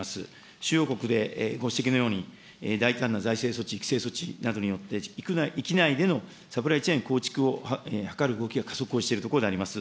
主要国でご指摘のように、大胆な財政措置、育成措置、域内でのサプライチェーン構築を図る動きが加速をしているところでございます。